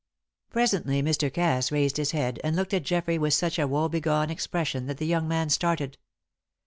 Presently Mr. Cass raised his head and looked at Geoffrey with such a woebegone expression that the young man started.